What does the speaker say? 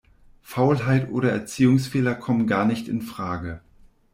Faulheit oder Erziehungsfehler kommen gar nicht infrage.